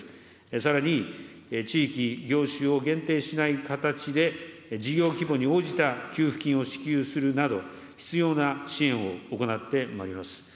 さらに、地域、業種を限定しない形で、事業規模に応じた給付金を支給するなど、必要な支援を行ってまいります。